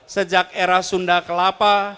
sejak era sunda kelapa